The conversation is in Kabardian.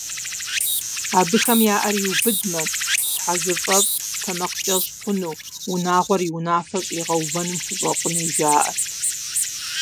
Абыхэм я Ӏэр иубыдмэ, щхьэзыфӀэфӀ, тэмакъкӀэщӀ хъуну, унагъуэр и унафэ щӀигъэувэным хущӀэкъуну жаӀэрт.